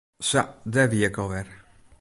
Sa, dêr wie ik al wer.